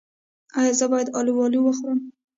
ایا زه باید الوبالو وخورم؟